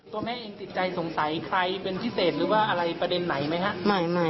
ตัวแม่เองติดใจสงสัยใครเป็นพิเศษหรือว่าอะไรประเด็นไหนไหมครับ